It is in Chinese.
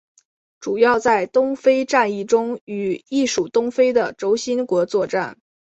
主要在东非战役中与意属东非的轴心国作战。